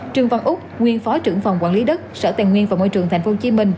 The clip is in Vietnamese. trường văn úc nguyên phó trưởng phòng quản lý đất sở tèn nguyên và môi trường tp hcm